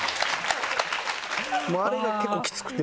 もうあれが結構きつくて。